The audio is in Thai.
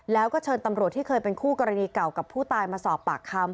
แล้วก็เชิญตำรวจที่เคยเป็นคู่กรณีเก่ากับผู้ตายมาสอบปากคำ